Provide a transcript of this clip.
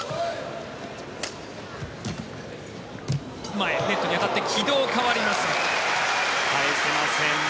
前へ、ネットに当たって軌道が変わりますが返せません。